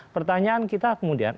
pertanyaan kita kemudian